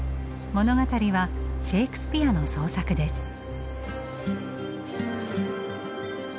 物語はシェークスピアの創作です。